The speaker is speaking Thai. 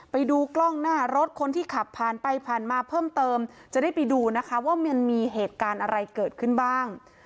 ไปดูกล้องหน้ารถคนที่ขับผ่านไปผ่านมาเพิ่มเติมจะได้ไปดูนะคะว่ามันมีเหตุการณ์อะไรเกิดขึ้นบ้าง